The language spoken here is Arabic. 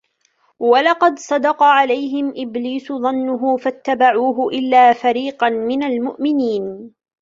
ولقد صدق عليهم إبليس ظنه فاتبعوه إلا فريقا من المؤمنين